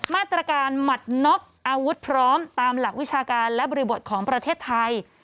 มาตรการหมัดน็อกอาวุธพร้อมตามหลักวิชาการและบริบทของประเทศไทย